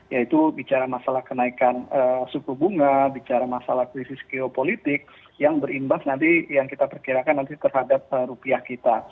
yaitu bicara masalah kenaikan suku bunga bicara masalah krisis geopolitik yang berimbas nanti yang kita perkirakan nanti terhadap rupiah kita